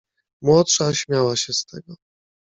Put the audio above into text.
"Młodsza śmiała się z tego."